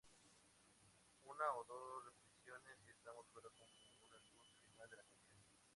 Una o dos repeticiones y estamos fuera como una luz, final de la canción.